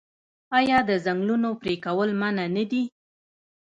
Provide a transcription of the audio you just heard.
آیا د ځنګلونو پرې کول منع نه دي؟